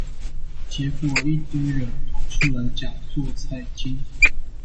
結果一堆人跑出來講做菜經